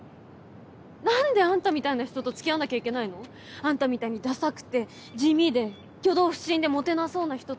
なんであんたみたいな人と付き合わなきゃいけないの？あんたみたいにださくて地味で挙動不審でモテなそうな人と。